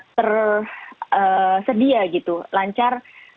tersedia gitu lancar